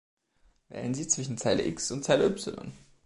Wählen Sie zwischen Zeile X und Zeile Y.